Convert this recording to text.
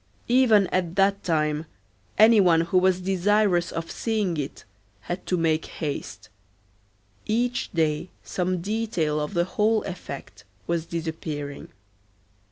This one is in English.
Even at that time any one who was desirous of seeing it had to make haste. Each day some detail of the whole effect was disappearing.